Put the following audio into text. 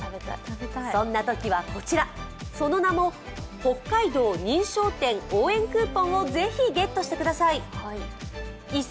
そんなときは、こちらその名もほっかいどう認証店応援クーポンをぜひゲットしてください。